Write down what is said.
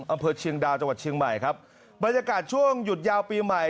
อำเภอเชียงดาวจังหวัดเชียงใหม่ครับบรรยากาศช่วงหยุดยาวปีใหม่